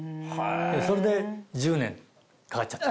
それで１０年かかっちゃった。